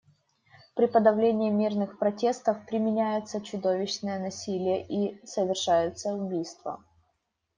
При подавлении мирных протестов применяется чудовищное насилие и совершаются убийства.